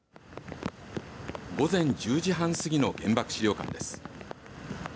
午前１０時半過ぎの原爆資料館です。